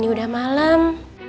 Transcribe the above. ini udah malem